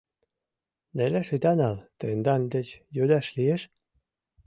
— Нелеш ида нал, тендан деч йодаш лиеш?